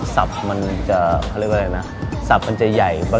สับมันจะใหญ่